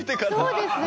そうです。